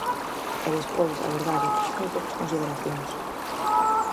E despois, a verdade, fixo moi poucas consideracións.